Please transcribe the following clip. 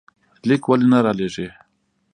ليک ولې نه رالېږې؟